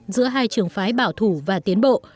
giữa hai trường phái bảo thủ và tiến bộ